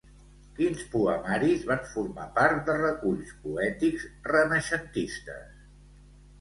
Quins poemaris van formar part de reculls poètics renaixentistes?